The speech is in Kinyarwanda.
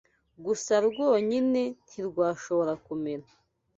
gusa rwonyine ntirwashobora kumera.